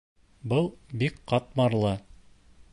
Был бик ҡатмарлы.